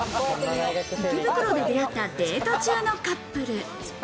池袋で出会った、デート中のカップル。